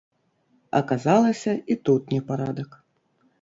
Аказалася, і тут непарадак.